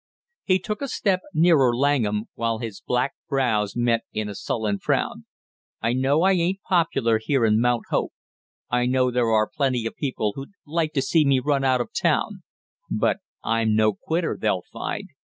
He took a step nearer Langham while his black brows met in a sullen frown. "I know I ain't popular here in Mount Hope, I know there are plenty of people who'd like to see me run out of town; but I'm no quitter, they'll find.